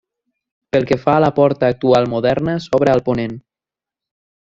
Pel que fa a la porta actual moderna s'obra al ponent.